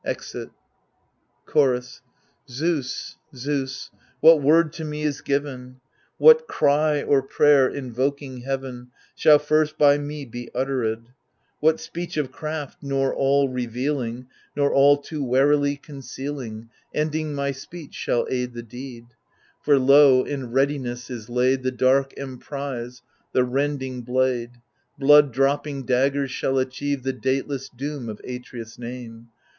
[Exit. Chorus Zeus, Zeus 1 what word to me is given ? What cry or prayer, invoking heaven. Shall first by me be utterM ? What speech of craft — nor all revealing, Nor all too warily concealing — THE LIBATION BEARERS 121 Ending my speech, shall aid the deed ? For lo ! in readiness is laid The dark emprise, the rending blade ; Blood dropping daggers shall achieve The dateless doom of Atreus' name.